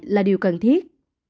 là điều cần thiết